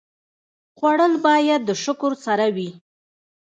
خوړل باید د شکر سره وي